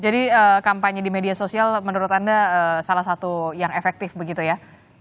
jadi kampanye di media sosial menurut anda salah satu yang efektif begitu ya